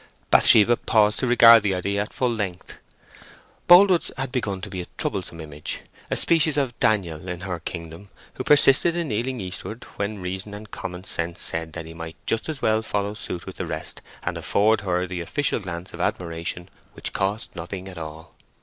Bathsheba paused to regard the idea at full length. Boldwood's had begun to be a troublesome image—a species of Daniel in her kingdom who persisted in kneeling eastward when reason and common sense said that he might just as well follow suit with the rest, and afford her the official glance of admiration which cost nothing at all.